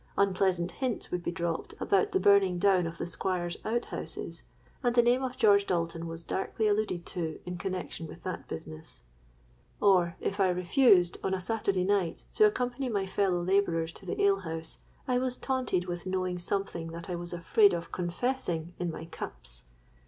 Unpleasant hints would be dropped about the burning down of the Squire's out houses, and the name of George Dalton was darkly alluded to in connexion with that business; or, if I refused, on a Saturday night, to accompany my fellow labourers to the ale house, I was taunted with knowing something that I was afraid of confessing in my cups.